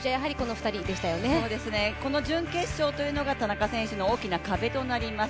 この準決勝というのが田中選手の大きな壁となります。